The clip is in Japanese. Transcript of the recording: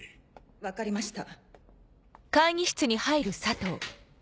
分かりました。